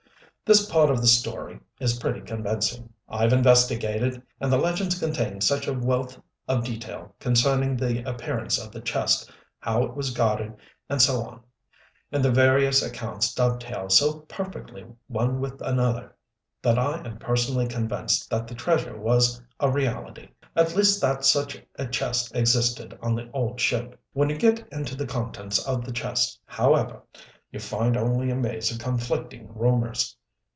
"This part of the story is pretty convincing. I've investigated, and the legends contain such a wealth of detail concerning the appearance of the chest, how it was guarded, and so on, and the various accounts dovetail so perfectly one with another, that I am personally convinced that the treasure was a reality at least that such a chest existed on the old ship. When you get into the contents of the chest, however, you find only a maze of conflicting rumors.